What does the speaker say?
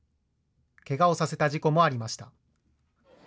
けがをさせた事故もありました。